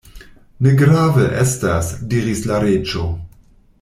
"Ne grave estas," diris la Reĝo.